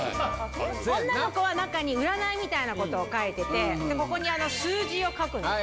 女の子は中に占いみたいなことを書いてて、ここに数字を書くの。